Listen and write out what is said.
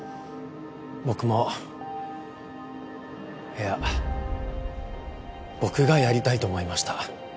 僕もいや僕がやりたいと思いました